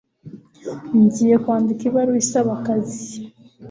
Ngiye kwandika ibaruwa isaba akazi.